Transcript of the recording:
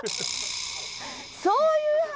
そういう話？